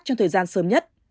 trong thời gian sớm nhất